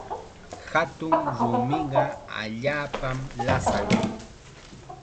Hatun rumiqa allaapam lasan.